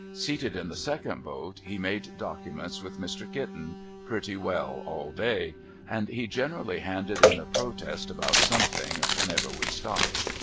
Seated in the second boat, he made documents with Mr. Kitten, pretty well all day; and he generally handed in a Protest about something whenever we stopped.